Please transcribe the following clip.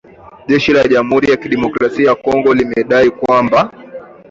Jeshi la Jamhuri ya kidemokrasia ya Kongo limedai kwamba